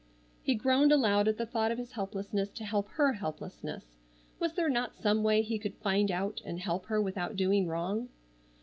He groaned aloud at the thought of his helplessness to help her helplessness. Was there not some way he could find out and help her without doing wrong?